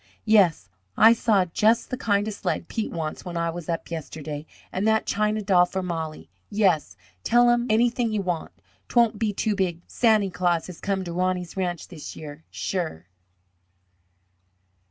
Yes, I saw just the kind of sled Pete wants when I was up yesterday, and that china doll for Mollie. Yes, tell 'em anything you want. Twon't be too big. Santy Claus has come to Roney's ranch this year, sure!"